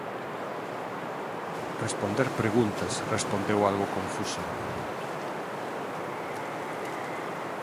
responder preguntas,” respondeu algo confusa.